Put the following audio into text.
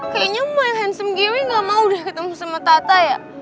kayaknya my handsome geri nggak mau udah ketemu sama tata ya